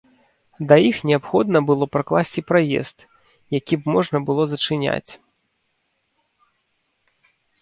Да іх неабходна было пракласці праезд, які б можна было зачыняць.